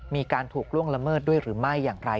มีการถูกล่วงละเมิดด้วยหรือไม่อย่างไร